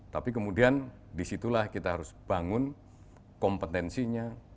tapi kemudian disitulah kita harus bangun kompetensinya